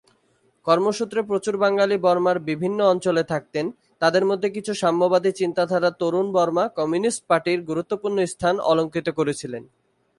কর্মসূত্রে প্রচুর বাঙালী বর্মার বিভিন্ন অঞ্চলে থাকতেন, তাদের মধ্যে কিছু সাম্যবাদী চিন্তাধারার তরুন বর্মা কমিউনিস্ট পার্টির গুরুত্বপূর্ণ স্থান অলংকৃত করেছিলেন।